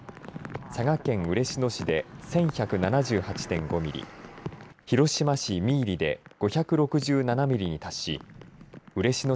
佐賀県嬉野市で１１７８．５ミリ広島市三入で５６７ミリに達し嬉野